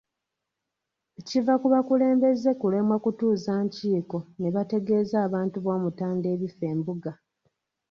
Kiva ku bakulembeze kulemwa kutuuza nkiiko ne bategeeza abantu b'Omutanda ebifa Embuga.